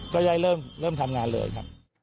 ก็ได้เริ่มทำงานเลยครับ